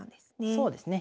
そうですね。